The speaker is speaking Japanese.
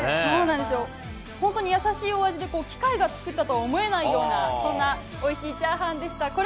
本当に優しいお味で機械が作ったとは思えないようなそんなおいしいチャーハンでした。